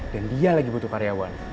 dan dia lagi butuh karyawan